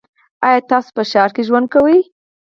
ایا تاسو په ښار کې ژوند کوی؟